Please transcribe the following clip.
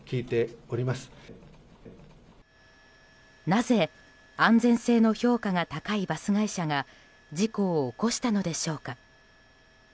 なぜ安全性の評価が高いバス会社が事故を起こしたのでしょうか？